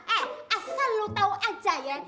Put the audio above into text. eh asal lo tau aja ya